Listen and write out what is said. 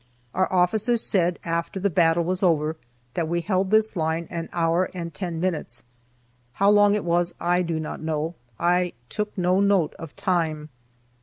Our officers said, after the battle was over, that we held this line an hour and ten minutes. How long it was I do not know. I "took no note of time."